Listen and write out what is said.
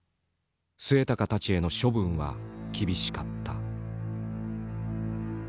末高たちへの処分は厳しかった。